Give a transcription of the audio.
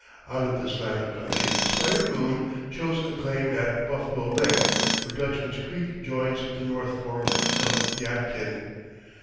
Out of this land of plenty Squire Boone chose a claim at Buffalo Lick, where Dutchman's Creek joins with the North Fork of Yadkin.